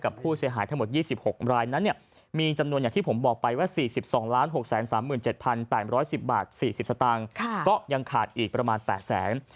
ก็ยังขาดอีกประมาณ๘๐๐๐๐๐บาท